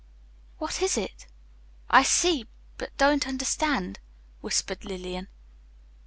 "What is it? I see, but don't understand," whispered Lillian.